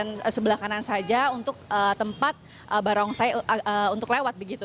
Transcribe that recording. tidak ditutup di bagian sebelah kanan saja untuk tempat barongsai untuk lewat begitu